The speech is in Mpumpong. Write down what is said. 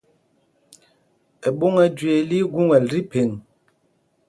Ɛɓôŋ ɛ́ Jüee lí í gúŋɛl tí phēŋ.